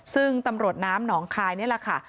ซึ่งตำรวจน้ำหนองคายนี่แหละค่ะ